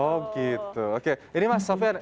oh gitu oke ini mas sofian